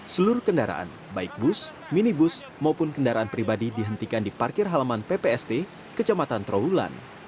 seluruh kendaraan baik bus minibus maupun kendaraan pribadi dihentikan di parkir halaman ppst kecamatan trawulan